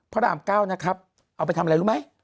พระราม๙นะครับเอาไปทำอะไรรู้ไหม